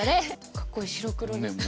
かっこいい白黒ですね。